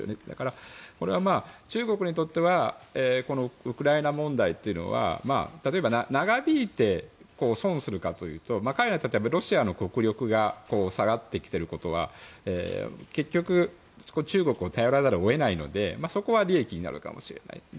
だから、中国にとってはウクライナ問題というのは例えば、長引いて損をするかというとロシアの国力が下がってきていることは結局、中国を頼らざるを得ないのでそこは利益になるかもしれない。